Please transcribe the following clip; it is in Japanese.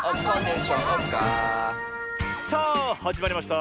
さあはじまりました